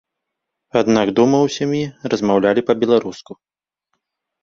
Аднак дома ў сям'і размаўлялі па-беларуску.